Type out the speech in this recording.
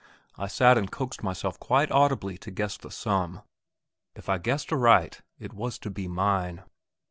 I sat and coaxed myself quite audibly to guess the sum; if I guessed aright, it was to be mine.